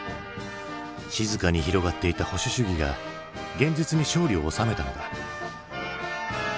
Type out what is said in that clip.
静かに広がっていた保守主義が現実に勝利を収めたのだ。